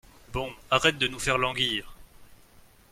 Bon, arrête de nous faire languir !